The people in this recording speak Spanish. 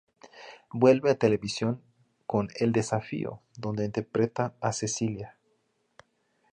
Vuelve a televisión con "El desafío", donde interpreta a Cecilia.